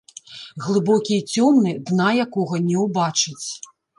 Глыбокі і цёмны, дна якога не ўбачыць.